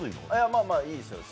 まあまあ、いいです。